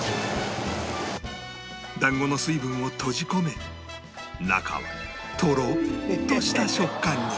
団子の水分を閉じ込め中はとろっとした食感に